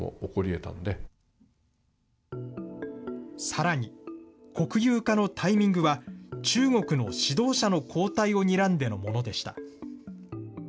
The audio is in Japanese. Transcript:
さらに、国有化のタイミングは、中国の指導者の交代をにらんでのものでした。